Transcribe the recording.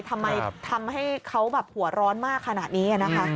ทำไมทำให้เขาหัวร้อนมากขนาดนี้